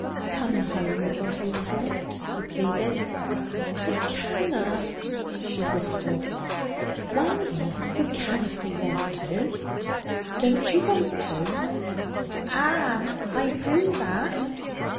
'Come home, little Hazel!' he pleaded. 'I canna,' she whispered. 'Why? You can if you want to. Don't you want to?' 'Ah! I do that.'